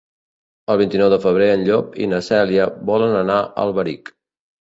El vint-i-nou de febrer en Llop i na Cèlia volen anar a Alberic.